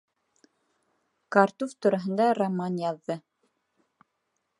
Картуф тураһында роман яҙҙы.